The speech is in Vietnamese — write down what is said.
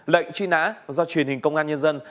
lệnh truy nã do truyền hình công an nhân dân